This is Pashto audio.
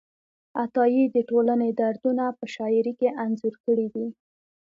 عطایي د ټولنې دردونه په شاعرۍ کې انځور کړي دي.